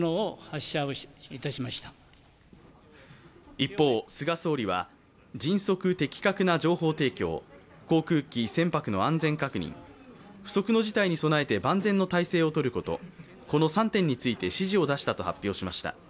一方、菅総理は迅速的確な情報提供、航空機・船舶の安全確認、不測の事態に備えて万全の体制をとること、この３点について指示を出したと発表しました。